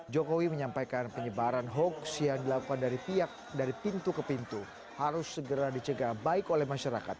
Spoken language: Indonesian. jokowi menyampaikan penyebaran hoax yang dilakukan dari pihak dari pintu ke pintu harus segera dicegah baik oleh masyarakat